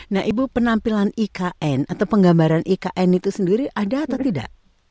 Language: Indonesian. nah ibu penampilan ikn atau penggambaran ikn itu sendiri ada atau tidak